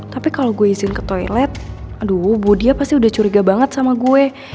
tapi kalau gue izin ke toilet aduh bu dia pasti udah curiga banget sama gue